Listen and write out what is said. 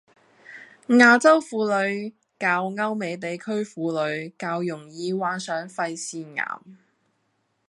亞洲婦女較歐美地區婦女較易患上肺腺癌